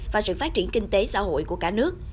và sự phát triển kinh tế xã hội của cả nước